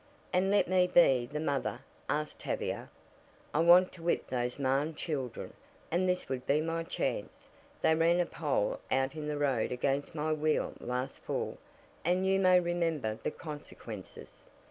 "And let me be the mother?" asked Tavia. "I want to whip those Mahon children, and this would be my chance. They ran a pole out in the road against my wheel last fall, and you may remember the consequences."